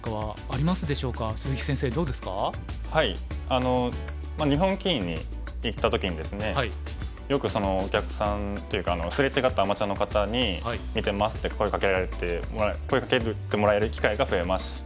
あの日本棋院に行った時にですねよくお客さんっていうかすれ違ったアマチュアの方に「見てます」って声かけてもらえる機会が増えましたね。